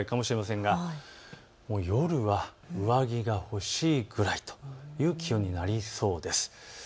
ですが夜は上着が欲しいくらいという気温になりそうです。